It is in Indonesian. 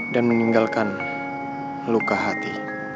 dan meninggalkan luka hati